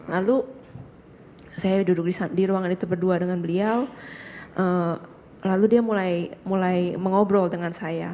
lalu saya duduk di ruangan itu berdua dengan beliau lalu dia mulai mengobrol dengan saya